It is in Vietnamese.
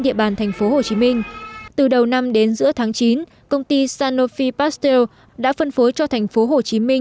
địa bàn tp hcm từ đầu năm đến giữa tháng chín công ty sanophi pasteur đã phân phối cho tp hcm